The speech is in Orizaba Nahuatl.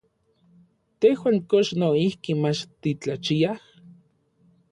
¿Tejuan kox noijki mach titlachiaj?